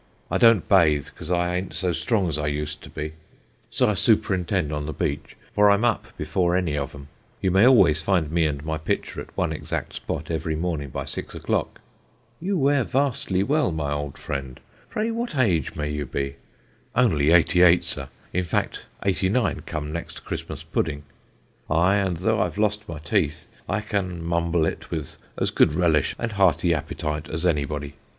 I don't bathe, because I a'nt so strong as I used to be, so I superintend on the beach, for I'm up before any of 'em; you may always find me and my pitcher at one exact spot, every morning by six o'clock.' 'You wear vastly well, my old friend, pray what age may you be'? 'Only eighty eight, sir; in fact, eighty nine come next Christmas pudding; aye, and though I've lost my teeth I can mumble it with as good relish and hearty appetite as anybody.'